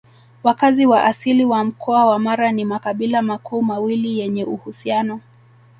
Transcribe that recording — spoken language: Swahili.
Wakazi wa asili wa Mkoa wa Mara ni makabila makuu mawili yenye uhusiano